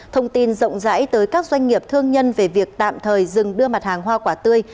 thông tin rộng rãi tới các doanh nghiệp thương nhân về việc tạm thời dừng đưa mặt hàng hoa quả tươi